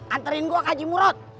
anterin gua ke haji murut